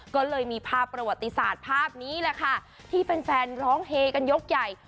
ก็เลยมีภาพประวัติศาสตร์ภาพนี้แหละค่ะที่แฟนร้องเฮกันยกใหญ่